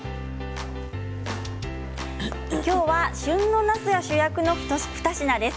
今日は旬のなすが主役の２品です。